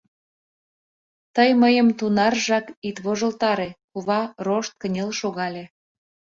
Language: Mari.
— Тый мыйым тунаржак ит вожылтаре! — кува рошт кынел шогале.